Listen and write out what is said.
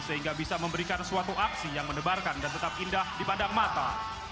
sehingga bisa memberikan suatu aksi yang mendebarkan dan tetap indah di padang mata